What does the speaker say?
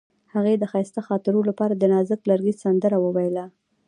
هغې د ښایسته خاطرو لپاره د نازک لرګی سندره ویله.